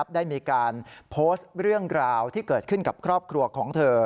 ได้มีการโพสต์เรื่องราวที่เกิดขึ้นกับครอบครัวของเธอ